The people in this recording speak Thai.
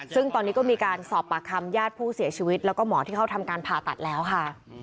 ซึ่งตอนนี้ก็มีการสอบปากคำญาติผู้เสียชีวิตแล้วก็หมอที่เขาทำการผ่าตัดแล้วค่ะ